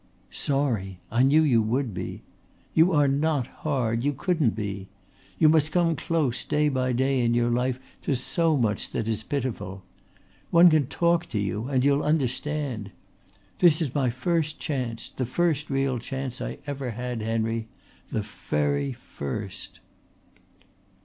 "Sorry! I knew you would be. You are not hard. You couldn't be. You must come close day by day in your life to so much that is pitiful. One can talk to you and you'll understand. This is my first chance, the first real chance I have ever had, Henry, the very first."